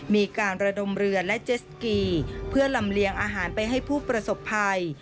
มีการระดมเรือและเจสกีเพื่อลำเลียงอาหารไปให้ผู้ประสบภัย